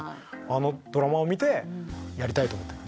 あのドラマを見てやりたいと思った。